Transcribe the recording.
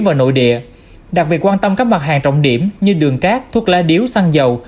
vào nội địa đặc biệt quan tâm các mặt hàng trọng điểm như đường cát thuốc lá điếu xăng dầu